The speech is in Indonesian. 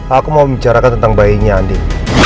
aku mau bicarakan tentang bayinya andin